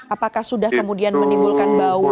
apakah sudah kemudian menimbulkan bau